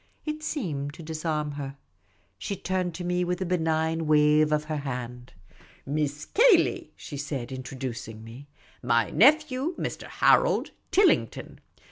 It seemed to disarm her. She turned to me with a benignant wave of her hand. " Miss Cayley," she said, introducing me ;" my nephew, Mr. Harold Tilling ton.